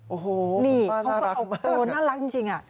โอ้โฮคุณป้าน่ารักมากนี่เขาก็เอาโปรดน่ารักจริง